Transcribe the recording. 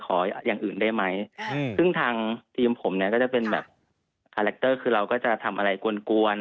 อย่างอื่นได้ไหมซึ่งทางทีมผมเนี่ยก็จะเป็นแบบคาแรคเตอร์คือเราก็จะทำอะไรกวน